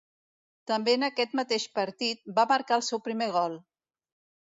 També en aquest mateix partit, va marcar el seu primer gol.